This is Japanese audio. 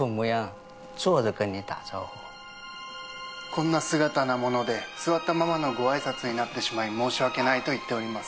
「こんな姿なもので座ったままのご挨拶になってしまい申し訳ない」と言っております。